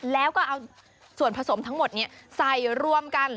แล้วก็เอาส่วนผสมทั้งหมดนี้ใส่รวมกัน